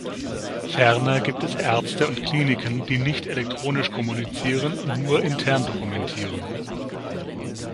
Ferner gibt es Ärzte und Kliniken, die nicht elektronisch kommunizieren und nur intern dokumentieren.